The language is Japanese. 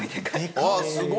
あっすごい。